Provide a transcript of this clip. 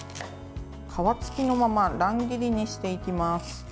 皮つきのまま乱切りにしていきます。